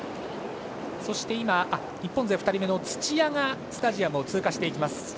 そして、日本勢２人目の土屋がスタジアムを通過しました。